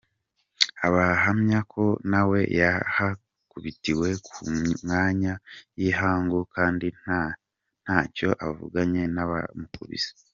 Ahamya ko nawe yahakubitiwe ku manywa y’ihangu kandi ntacyo avuganye n’abamukubise.